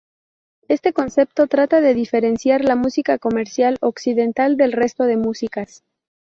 Este concepto trata de diferenciar la música comercial Occidental del resto de músicas.